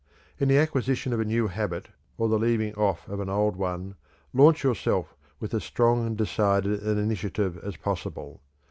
"In the acquisition of a new habit, or the leaving off of an old one, launch yourself with as strong and decided an initiative as possible.